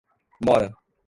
mora